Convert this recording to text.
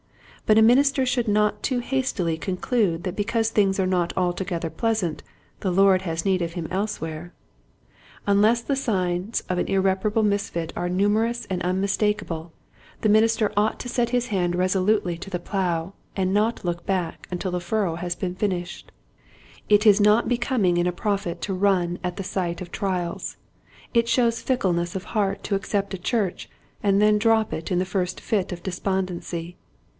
But a minister should not too hastily conclude that because things are not altogether pleasant the Lord has need of him elsewhere. Un Discontent. 1 39 less the signs of an irreparable misfit are numerous and unmistakable the minister ought to set his hand resolutely to the plow and not look back until the furrow has been finished. It is not becoming in a prophet to run at the sight of trials. It shows fickleness of heart to accept a church and then drop it in the first fit of despondency.